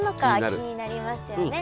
気になりますよね！